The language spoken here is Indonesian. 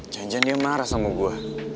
janjian dia marah sama gue